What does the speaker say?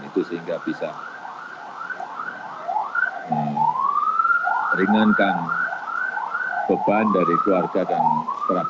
itu sehingga bisa meringankan beban dari keputusan meksiko soviet perpetua ini